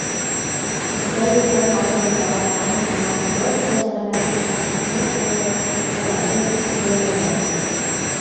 Күктә йөҙгән алтын табаҡ Ай ғына, был фажиғәләрҙең шаһиты булып, уларҙы бик йәлләгән.